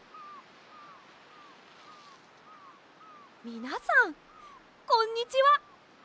みなさんこんにちは。